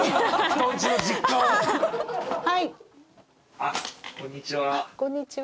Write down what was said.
あっこんにちは。